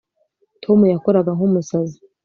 tom yakoraga nk'umusazi